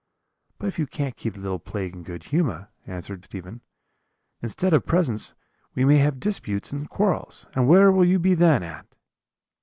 "'But if you can't keep the little plague in good humour,' answered Stephen, 'instead of presents we may have disputes and quarrels; and where will you be then, aunt?'